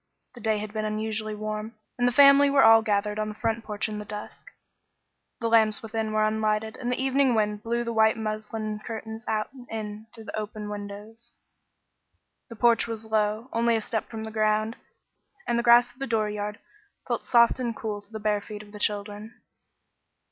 The day had been unusually warm, and the family were all gathered on the front porch in the dusk. The lamps within were unlighted, and the evening wind blew the white muslin curtains out and in through the opened windows. The porch was low, only a step from the ground, and the grass of the dooryard felt soft and cool to the bare feet of the children.